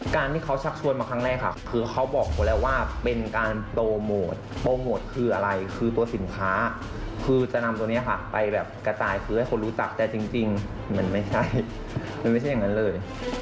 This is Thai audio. การที่เขาชักชวนมาครั้งแรกค่ะคือเขาบอกเขาแล้วว่าเป็นการโปรโมทโปรโมทคืออะไรคือตัวสินค้าคือจะนำตัวนี้ค่ะไปแบบกระจายคือให้คนรู้จักแต่จริงมันไม่ใช่มันไม่ใช่อย่างนั้นเลย